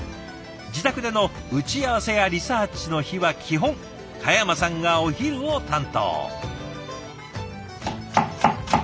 自宅での打ち合わせやリサーチの日は基本嘉山さんがお昼を担当。